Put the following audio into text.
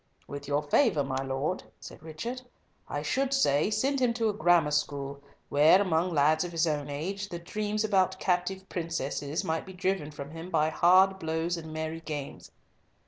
"With your favour, my Lord," said Richard, "I should say, send him to a grammar school, where among lads of his own age, the dreams about captive princesses might be driven from him by hard blows and merry games."